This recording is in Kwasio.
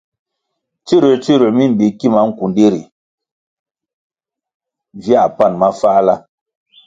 Tsiruer - tsiruer mi mbi kima nkundi ri viãh pan mafáhla.